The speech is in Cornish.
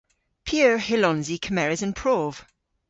P'eur hyllons i kemeres an prov?